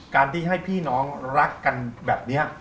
การที่ให้พี่น้องรักกันแบบนี้